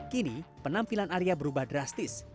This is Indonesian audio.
kini penampilan arya berubah drastis